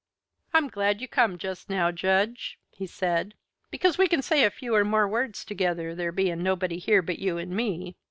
"I'm glad you come just now, Judge," he said, "because we can say a few or more words together, there being nobody here but you and me.